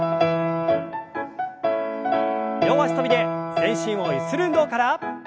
両脚跳びで全身をゆする運動から。